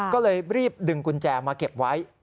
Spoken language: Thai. ก็เลยรีบดึงกุญแจมาเก็บไว้